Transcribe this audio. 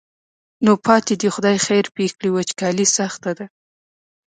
نو پاتې دې خدای خیر پېښ کړي وچکالي سخته ده.